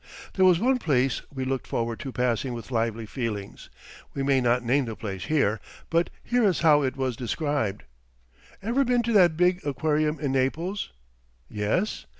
There was one place we looked forward to passing with lively feelings. We may not name the place here, but here is how it was described: "Ever been to that big aquarium in Naples? Yes?